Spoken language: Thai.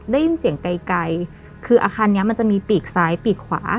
ได้ยินเสียงไกลคืออาคารนี้มันจะมีปีกซ้ายปีกขวา